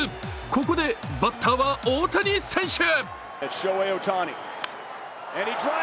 ここでバッターは大谷選手。